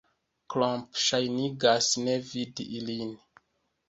Klomp ŝajnigas ne vidi ilin.